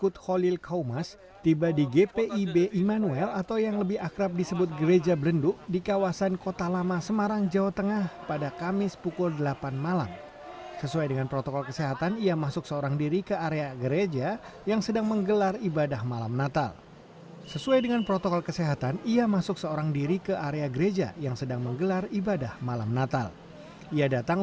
di mana ruangannya